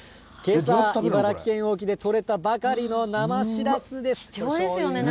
けさ茨城県沖でとれたばかりの生しらすです。